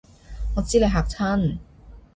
我知你嚇親